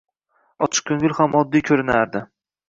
Ochiqko’ngil ham oddiy ko’rinardi.